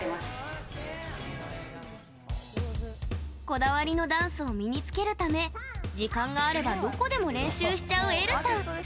こだわりのダンスを身につけるため、時間があればどこでも練習しちゃう、えるさん。